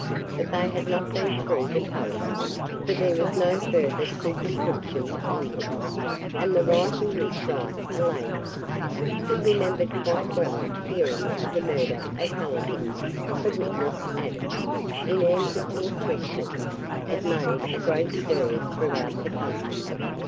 But they had not been through the post, for there was no further superscription on them; and the writing looked like a lady's. He remembered quite well hearing of the murder of Hallijohn, the witness added, in answer to a question; it made a great stir through out the country.